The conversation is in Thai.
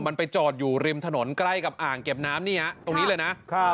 มันไปจอดอยู่ริมถนนใกล้กับอ่างเก็บน้ำนี่ฮะตรงนี้เลยนะครับ